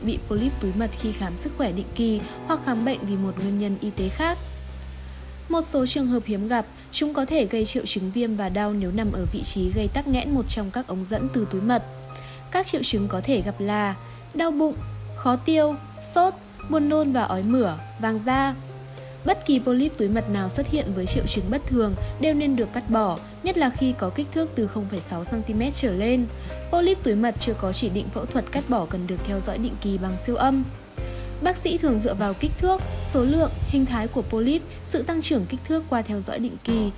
bác sĩ thường dựa vào kích thước số lượng hình thái của polyp sự tăng trưởng kích thước qua theo dõi định kỳ